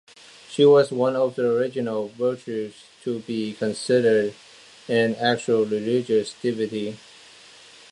She was one of the original virtues to be considered an actual religious "divinity".